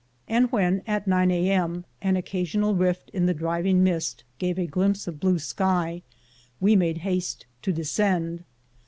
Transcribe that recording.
And when, at nine a.m., an occasional rift in the driving mist gave a glimpse of blue sky, we made haste to de scend.